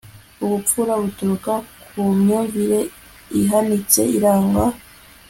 ubupfura buturuka kumyumvire ihanitse iranga